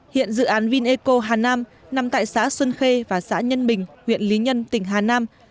hiện dự án vineco hà nam nằm tại xã xuân khê và xã nhân bình huyện lý nhân tỉnh hà nam